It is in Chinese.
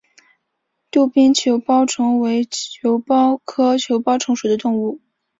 杜宾球孢虫为球孢科球孢虫属的动物。